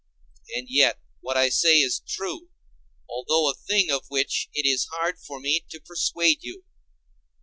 And yet what I say is true, although a thing of which it is hard for me to persuade you.